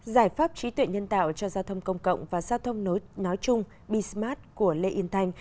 giải pháp trí tuệ nhân tạo cho giao thông công cộng và giao thông nói chung bsmart của lê yên thanh